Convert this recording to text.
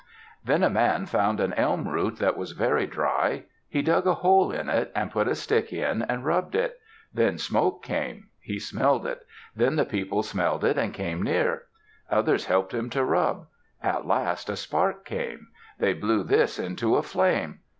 Then a man found an elm root that was very dry. He dug a hole in it and put a stick in and rubbed it. Then smoke came. He smelled it. Then the people smelled it and came near. Others helped him to rub. At last a spark came. They blew this into a flame.